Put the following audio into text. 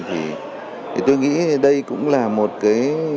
thì tôi nghĩ đây cũng là một cái